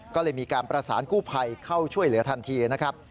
ก็เลยมีการประสานกู้ภัยเข้าช่วยเหลือทันทีนะครับ